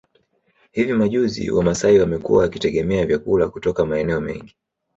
Hivi majuzi Wamasai wamekuwa wakitegemea vyakula kutoka maeneo mengine